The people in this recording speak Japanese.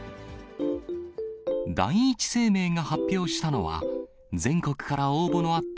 第一生命が発表したのは、全国から応募のあった